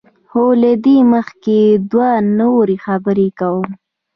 خو له دې مخکې دوه نورې خبرې کوم.